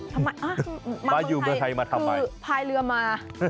ทำไมมาอยู่เมืองไทยมาทำไมพายเรือมา